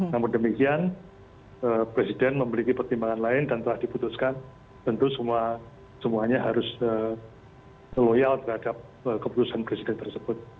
namun demikian presiden memiliki pertimbangan lain dan telah diputuskan tentu semuanya harus loyal terhadap keputusan presiden tersebut